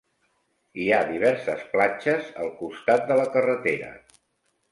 Hi ha diverses platges al costat de la carretera.